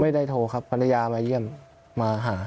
ไม่ได้โทรครับภรรยามาเยี่ยมมาหา